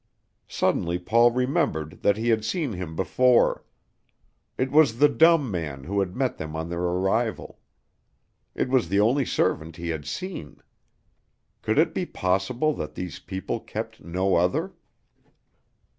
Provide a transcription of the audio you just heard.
Suddenly Paul remembered that he had seen him before. It was the dumb man who had met them on their arrival. It was the only servant he had seen. Could it be possible that these people kept no other?